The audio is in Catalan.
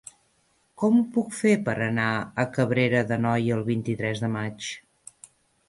Com ho puc fer per anar a Cabrera d'Anoia el vint-i-tres de maig?